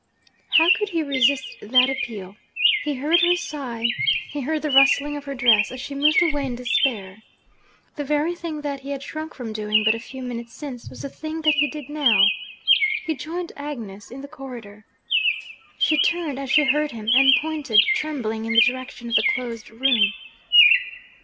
How could he resist that appeal? He heard her sigh he heard the rustling of her dress as she moved away in despair. The very thing that he had shrunk from doing but a few minutes since was the thing that he did now! He joined Agnes in the corridor. She turned as she heard him, and pointed, trembling, in the direction of the closed room.